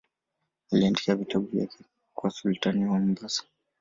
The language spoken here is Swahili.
Aliandika vitabu vyake kwa sultani wa Mombasa.